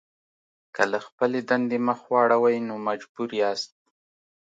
که له خپلې دندې مخ واړوئ نو مجبور یاست.